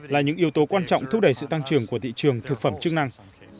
là những yếu tố quan trọng thúc đẩy sự tăng trưởng của thị trường thực phẩm chức năng